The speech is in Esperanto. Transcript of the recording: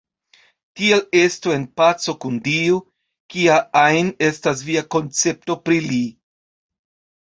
Tial estu en paco kun Dio, kia ajn estas via koncepto de Li.